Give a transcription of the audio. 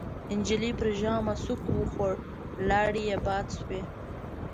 نجلۍ پر ژامه سوک وخوړ، لاړې يې باد شوې.